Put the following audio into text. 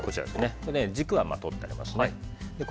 軸はとってあります。